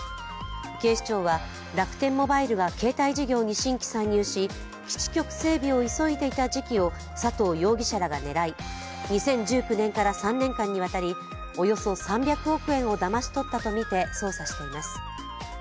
警視庁は楽天モバイルが携帯事業に新規参入し基地局整備を急いでいた時期を佐藤容疑者らが狙い、２０１９年から３年間にわたりおよそ３００億円をだまし取ったとみて捜査しています。